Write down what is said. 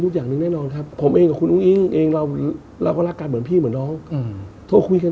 ถามด้วยความรักความรับไม่ใช่ความไม่แน่นอนใช่ไหมครับ